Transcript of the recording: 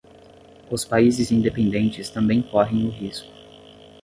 os países independentes também correm o risco